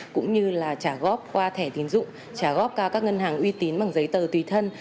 cũng như là trả góp qua thẻ tiến dụng trả góp qua các ngân hàng uy tín bằng giấy tờ tùy thân